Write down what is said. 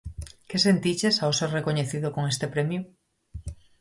Que sentiches ao ser recoñecido con este premio?